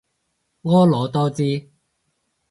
婀娜多姿